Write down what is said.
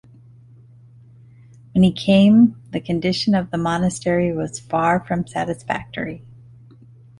When he came the condition of the monastery was far from satisfactory.